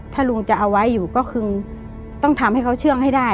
ถ้าลุงจะเอาไว้อยู่ก็คือต้องทำให้เขาเชื่องให้ได้